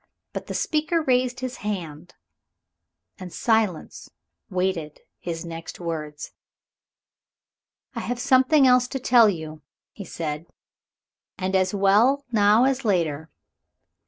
But the speaker raised his hand, and silence waited his next words. "I have something else to tell you," he said, "and as well now as later.